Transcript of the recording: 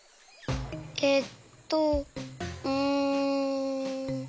えっとうん。